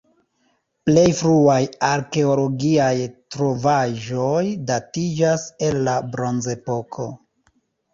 Plej fruaj arkeologiaj trovaĵoj datiĝas el la bronzepoko.